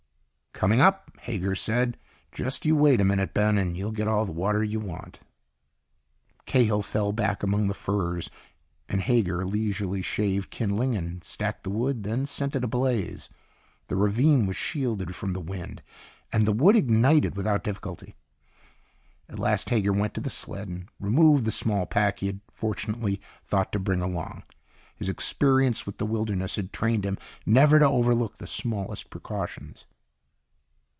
"Coming up," Hager said. "Just you wait a minute, Ben, and you'll get all the water you want." Cahill fell back among the furs, and Hager leisurely shaved kindling and stacked the wood and then set it ablaze. The ravine was shielded from the wind, and the wood ignited without difficulty. At last Hager went to the sled and removed the small pack he had fortunately thought to bring along. His experience with the wilderness had trained him never to overlook the smallest precautions.